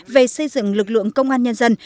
về xây dựng lực lượng công an nhân dân